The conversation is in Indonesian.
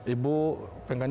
ibu masih putusti